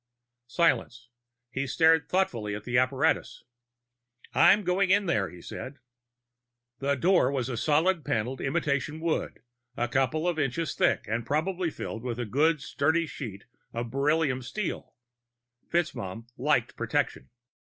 Silence. He stared thoughtfully at the apparatus. "I'm going in there," he said. The door was of solid paneled imitation wood, a couple of inches thick and probably filled with a good sturdy sheet of beryllium steel. FitzMaugham liked protection.